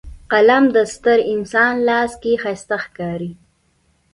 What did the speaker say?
قلم د ستر انسان لاس کې ښایسته ښکاري